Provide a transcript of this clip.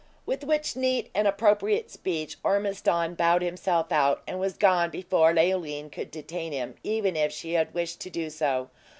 With which neat and appropriate speech, Ormiston bowed himself out, and was gone before Leoline could detain him, even if she wished to do so.